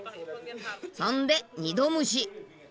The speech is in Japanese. そんで二度蒸し。